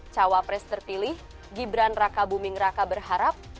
cawapres terpilih gibran raka buming raka berharap